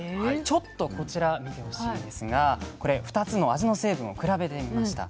ちょっとこちら見てほしいんですがこれ２つの味の成分を比べてみました。